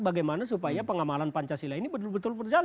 bagaimana supaya pengamalan pancasila ini betul betul berjalan